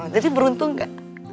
jadi beruntung gak